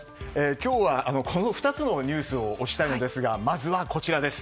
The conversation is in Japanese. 今日はこの２つのニュースを推したいのですがまずは、こちらです。